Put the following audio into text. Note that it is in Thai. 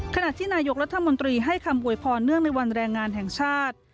ขณะที่นายกรัฐมนตรีให้คำอวยพรเนื่องในวันแรงงานแห่งชาติ